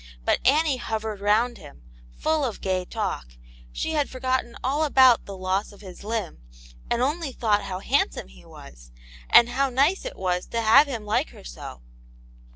But Annie hovered round him, full of gay talk ; she had forgotten all about theloss of his limb, and only thought how handsome he W2is, and how nice it was to have him like her so.